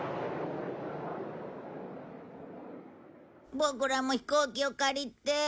ボクらも飛行機を借りて。